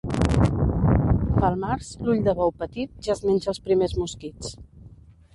Pel març l'ull de bou petit ja es menja els primers mosquits.